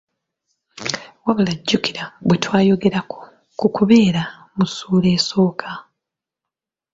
Wabula jjukira bye twayogerako ku kubeera mu ssuula esooka.